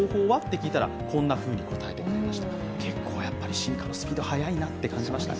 進化のスピードは速いなと感じました。